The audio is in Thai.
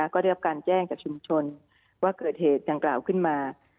ก็ได้รับการแจ้งจากชุมชนว่าเกิดเหตุดังกล่าวขึ้นมา